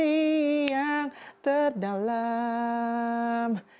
hati yang terdalam